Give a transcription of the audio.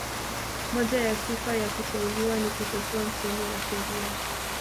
Moja ya sifa ya kuteuliwa ni kutokuwa msomi wa sheria